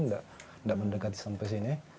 nggak mendekati sampai sini